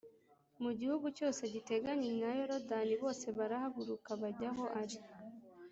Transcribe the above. mu gihugu cyose giteganye na Yorodani bose barahaguruka bajya aho ari,